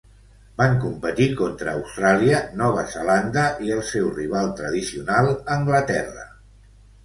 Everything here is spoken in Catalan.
Van competir contra Austràlia, Nova Zelanda i els seu rival tradicional, Anglaterra.